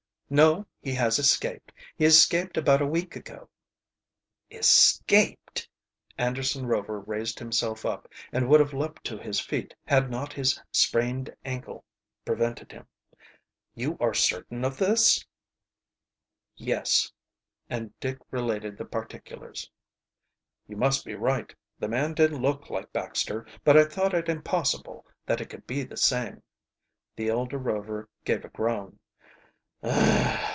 "No, he has escaped; he escaped about a week ago." "Escaped?" Anderson Rover raised himself up, and would have leaped to his feet hid not his sprained ankle prevented him. "You are certain of this?" "Yes," and Dick related the particulars. "You must be right. The man did look like Baxter, but I thought it impossible that it could be the same." The elder Rover gave a groan.